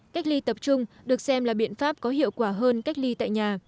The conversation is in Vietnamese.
cách ly tập trung được xem là biện pháp có hiệu quả hơn cách ly tại nhà